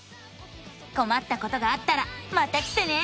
こまったことがあったらまた来てね！